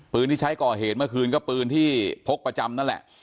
ที่ใช้ก่อเหตุเมื่อคืนก็ปืนที่พกประจำนั่นแหละ